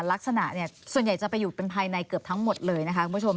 ลักษณะส่วนใหญ่จะไปอยู่เป็นภายในเกือบทั้งหมดเลยนะคะคุณผู้ชม